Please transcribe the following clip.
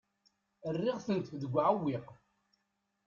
Rriɣ-tent deg uɛewwiq.